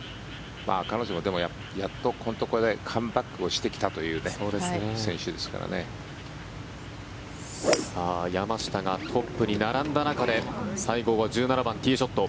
彼女もやっとここのところカムバックをしてきたという山下がトップに並んだ中で西郷は１７番、ティーショット。